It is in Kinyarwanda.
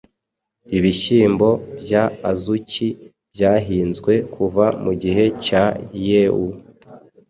Ibihyimbo bya Azuki byahinzwe kuva mugihe cya Yeu